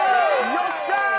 よっしゃ。